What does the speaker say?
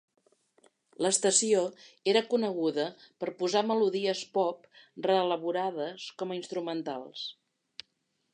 L'estació era coneguda per posar melodies pop reelaborades com a instrumentals.